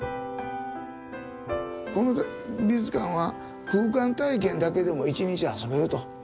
この美術館は空間体験だけでも一日遊べると。